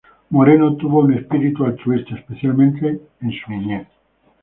Moreno tuvo un espíritu altruista, especialmente hacia la niñez.